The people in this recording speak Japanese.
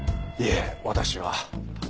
いえ私は。